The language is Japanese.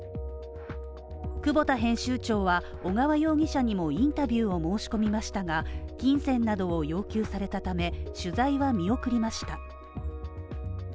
久保田編集長は小川容疑者にもインタビューを申し込みましたが金銭などを要求されたため、取材は見送りました。